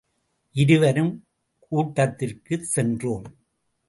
இருவரும் கூட்டத்திற்குச் சென்றோம்.